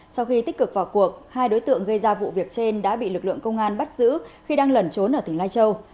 sau khi tích cực vào cuộc hai đối tượng gây ra vụ việc trên đã bị lực lượng công an bắt giữ khi đang lẩn trốn ở tỉnh lai châu